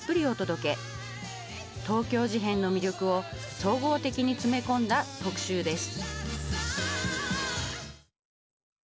東京事変の魅力を総合的に詰め込んだ特集です。